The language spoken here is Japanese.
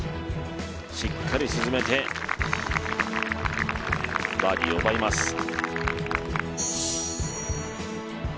しっかり沈めて、バーディーを奪います。